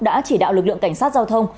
đã chỉ đạo lực lượng cảnh sát giao thông